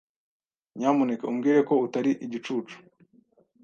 Nyamuneka umbwire ko utari igicucu.